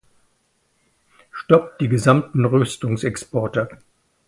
Stoppt die gesamten Rüstungsexporte!